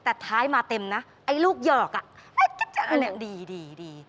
แต่ท้ายมาเต็มนะไอ้ลูกหยอกอ่ะอันนี้ดีดี